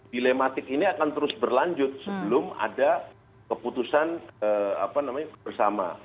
dilematik ini akan terus berlanjut sebelum ada keputusan bersama